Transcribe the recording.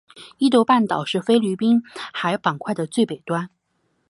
伊豆半岛是菲律宾海板块的最北端。